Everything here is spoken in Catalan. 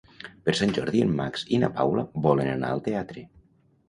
Per Sant Jordi en Max i na Paula volen anar al teatre.